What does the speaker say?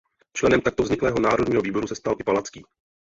Členem takto vzniklého Národního výboru se stal i Palacký.